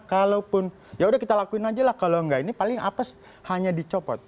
kalaupun yaudah kita lakuin aja lah kalau enggak ini paling apes hanya dicopot